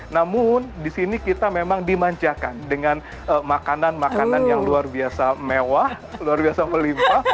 namun di sini kita memang dimanjakan dengan makanan makanan yang luar biasa mewah luar biasa melimpa